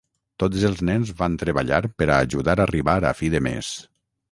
Tots els nens van treballar per a ajudar a arribar a fi de mes.